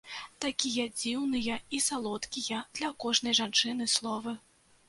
Такія дзіўныя і салодкія для кожнай жанчыны словы!